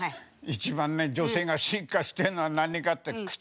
一番ね女性が進化してんのは何かって口数だ。